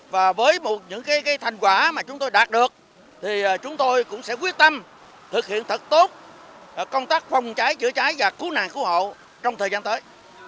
và với một những thành quả mà chúng tôi đạt được thì chúng tôi cũng sẽ quyết tâm thực hiện thật tốt công tác phòng cháy chữa cháy và cứu nạn cứu hộ trong thời gian tới